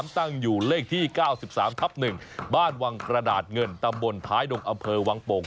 ตั้งอยู่เลขที่๙๓ทับ๑บ้านวังกระดาษเงินตำบลท้ายดงอำเภอวังโป่ง